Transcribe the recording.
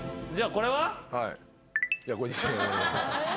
これは？